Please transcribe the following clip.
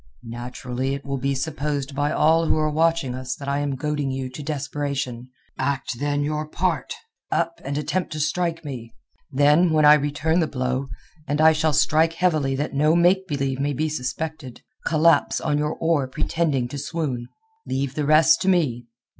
"Naturally it will be supposed by all who are watching us that I am goading you to desperation. Act, then, your part. Up, and attempt to strike me. Then when I return the blow—and I shall strike heavily that no make believe may be suspected—collapse on your oar pretending to swoon. Leave the rest to me.